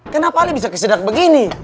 kenapa ala bisa kesedak begini